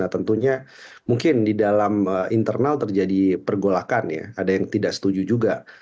tentunya mungkin di dalam internal terjadi pergolakan ya ada yang tidak setuju juga